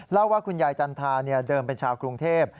เล่าว่าคุณยายจันทราเดิมเป็นชาวกรุงเทพ